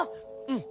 うん。